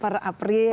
per april ini ya